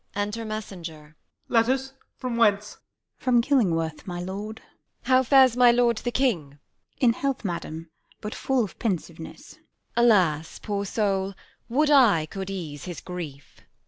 Enter Messenger. Letters! from whence? Mess. From Killingworth, my lord? Q. Isab. How fares my lord the king? Mess. In health, madam, but full of pensiveness. Q. Isab. Alas, poor soul, would I could ease his grief!